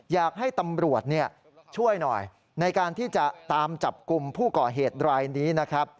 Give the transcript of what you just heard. อยากให้ตำรวจช่วยหน่อยในการที่จะตามจับกลุ่มผู้ก่อเหตุรายนี้นะครับ